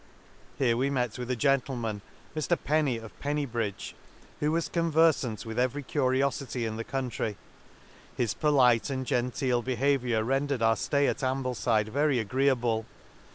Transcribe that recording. — Here we met with a gentleman, Mr Penney, of Penney bridge, who was converfant with every curiofity in this country ; his polite and genteel behaviour rendered our flay at Amblefide very agreeable.